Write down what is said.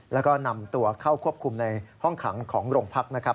แล้วก็นำตัวเข้าควบคุมในห้องขังของโรงพักนะครับ